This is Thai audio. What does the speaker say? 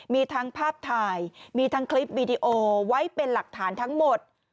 มีทั้งภาพถ่ายมีทั้งคลิปวีดีโอไว้เป็นหลักฐานทั้งหมด